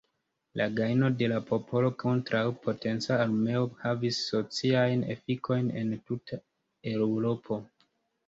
La gajno de la popolo kontraŭ potenca armeo havis sociajn efikojn en tuta Eŭropo.